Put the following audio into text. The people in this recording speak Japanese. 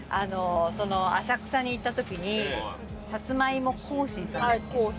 浅草に行った時にさつまいも興伸さんだっけ？